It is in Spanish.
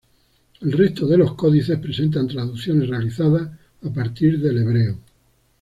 El resto de los códices presentan traducciones realizadas a partir del hebreo.